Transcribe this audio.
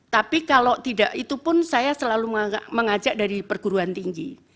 tapi kalau tidak itu pun saya selalu mengajak dari perguruan tinggi